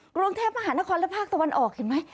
กรุงเทพมหานครและภาคตะวันออกเห็นไหม